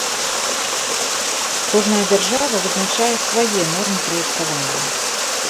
Кожная дзяржава вызначае свае нормы праектавання.